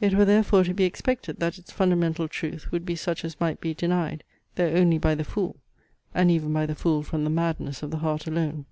It were therefore to be expected, that its fundamental truth would be such as might be denied; though only, by the fool, and even by the fool from the madness of the heart alone!